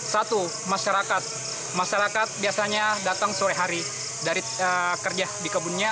satu masyarakat masyarakat biasanya datang sore hari dari kerja di kebunnya